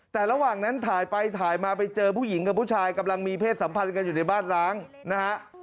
แต่ระหว่างนั้นถ่ายไปถ่ายมาไปเจอผู้หญิงกับผู้ชายกำลังมีเพศสัมพันธ์กันอยู่ในบ้านร้างนะฮะ